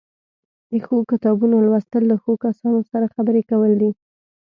د ښو کتابونو لوستل له ښو کسانو سره خبرې کول دي.